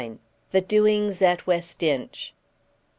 THE DOINGS AT WEST INCH.